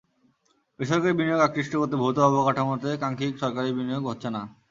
বেসরকারি বিনিয়োগ আকৃষ্ট করতে ভৌত অবকাঠামোতে কাঙ্ক্ষিত সরকারি বিনিয়োগ হচ্ছে না।